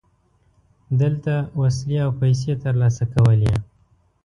دلته وسلې او پیسې ترلاسه کولې.